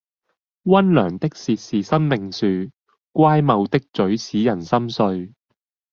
溫良的舌是生命樹，乖謬的嘴使人心碎